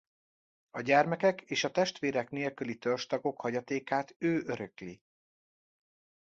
A gyermekek és testvérek nélküli törzstagok hagyatékát ő örökli.